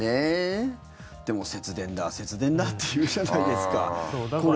でも、節電だ節電だっていうじゃないですか。